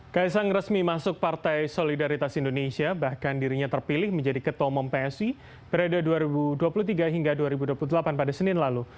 kaisang resmi masuk partai solidaritas indonesia bahkan dirinya terpilih menjadi ketua umum psi periode dua ribu dua puluh tiga hingga dua ribu dua puluh delapan pada senin lalu